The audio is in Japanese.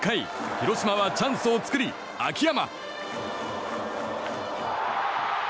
広島はチャンスを作り、秋山。